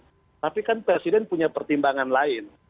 tapi kan presiden punya pertimbangan lain